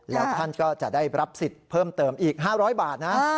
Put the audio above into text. แล้วท่านก็จะได้รับสิทธิ์เพิ่มเติมอีก๕๐๐บาทนะ